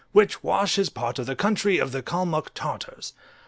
which washes part of the country of the Calmuck Tartars.